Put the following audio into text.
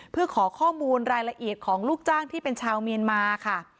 เพื่อขอข้อมูลรายละเอียดของลูกจ้างที่เป็นชาวเมียนมาค่ะ